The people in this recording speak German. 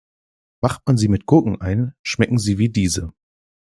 Macht man sie mit Gurken ein, schmecken sie wie diese.